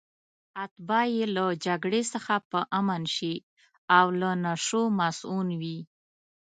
اتباع یې له جګړې څخه په امن شي او له نشو مصئون وي.